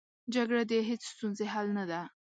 جګړه د هېڅ ستونزې حل نه ده